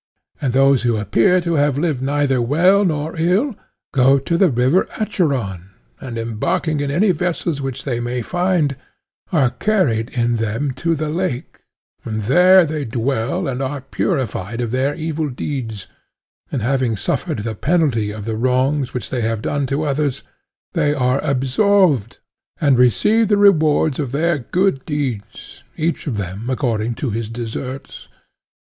And those who appear to have lived neither well nor ill, go to the river Acheron, and embarking in any vessels which they may find, are carried in them to the lake, and there they dwell and are purified of their evil deeds, and having suffered the penalty of the wrongs which they have done to others, they are absolved, and receive the rewards of their good deeds, each of them according to his deserts.